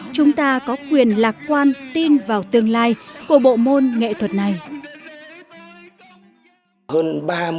chúng ta có quyền lạc quan tin vào tương lai của bộ môn nghệ thuật này